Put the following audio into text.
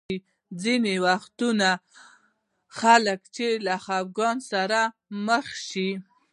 ځینې وختونه خلک چې له خفګان سره مخ شي.